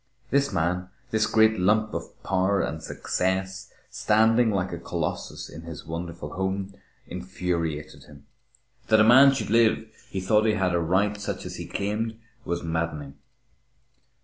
This man, this great lump of power and success, standing like a colossus in his wonderful home, infuriated him. That a man should live who thought he had a right such as he claimed, was maddening.